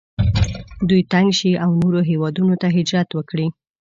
دوی تنګ شي او نورو هیوادونو ته هجرت وکړي.